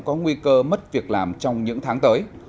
có nguy cơ mất việc làm trong những tháng tới